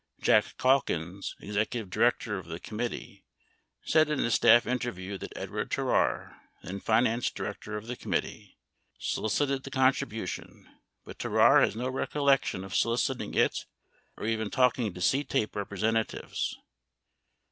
37 Jack Caulkins, executive director of the com mittee, said in a staff interview that Edward Terrar, then finance director of the committee, solicited the contribution, but Terrar has no recollection of soliciting it or even talking to CTAPE representa tives.